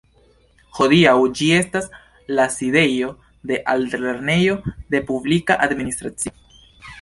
Hodiaŭ ĝi estas la sidejo de Altlernejo de Publika Administracio.